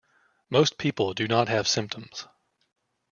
Most people do not have symptoms.